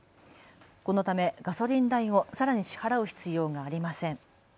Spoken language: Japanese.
このためガソリン代をさらに支払う必要がありません。